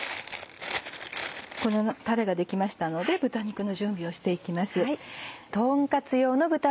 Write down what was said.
このタレができましたので豚肉の準備をして行きます。